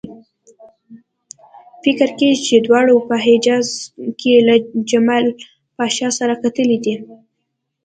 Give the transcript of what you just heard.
فکر کېږي چې دواړو په حجاز کې له جمال پاشا سره کتلي دي.